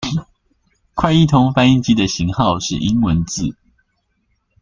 快譯通翻譯機的型號是英文字